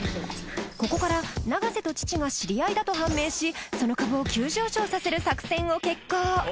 ここから永瀬と父が知り合いだと判明しその株を急上昇させる作戦を決行